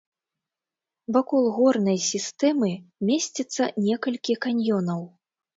Вакол горнай сістэмы месціцца некалькі каньёнаў.